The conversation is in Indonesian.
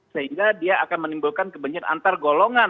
sehingga dia akan menimbulkan kebencian antar golongan